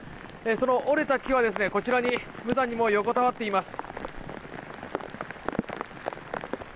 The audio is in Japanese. その折れた木は無残にも横たわっています。